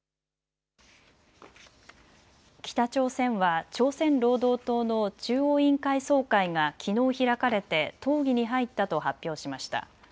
北朝鮮は朝鮮労働党の中央委員会総会がきのう開かれて討議に入ったと発表しました。